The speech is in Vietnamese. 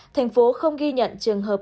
thành phố không ghi nhận trường hợp